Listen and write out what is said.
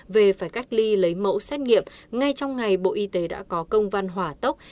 về phải cách ly lấy mẫu xét nghiệm ngay trong ngày bộ y tế đã có công văn hỏa tốc